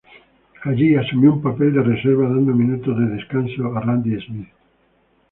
Allí asumió un papel de reserva, dando minutos de descanso a Randy Smith.